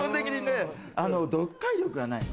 読解力がないの。